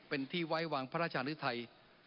เป็นที่ไว้วางพระราชหรือไทย